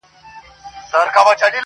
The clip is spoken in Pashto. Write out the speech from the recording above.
ه بيا به دې څيښلي وي مالگينې اوبه_